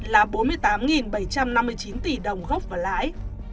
là bốn mươi tám bảy trăm năm mươi chín tỷ đồng gốc và lãi